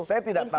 saya tidak tahu